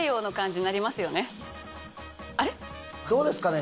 あれ⁉どうですかね？